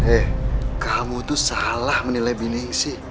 eh kamu tuh salah menilai bindingsi